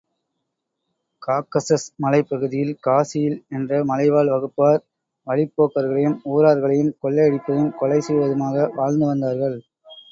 Caucasus மலைப் பகுதியில் காசியில் என்ற மலைவாழ் வகுப்பார், வழிப்போக்கர்களையும் ஊரார்களையும் கொள்ளையடிப்பதும், கொலை செய்வதுமாக வாழ்ந்து வந்தார்கள்.